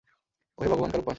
ওহে ভগবান কারুপ্পান!